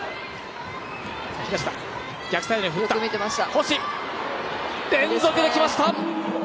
星、連続できました。